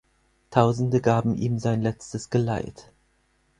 Tausende gaben ihm sein letztes Geleit.